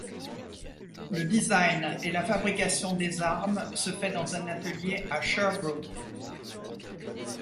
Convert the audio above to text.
Le design et la fabrication des armes se fait dans un atelier à Sherbrooke.